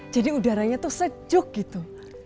jadi udaranya tuh sejuk gitu